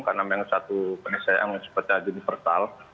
karena memang satu penisayaan yang sebetulnya universal